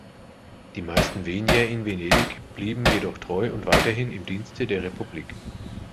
Die meisten Venier in Venedig blieben jedoch treu und weiterhin im Dienste der Republik.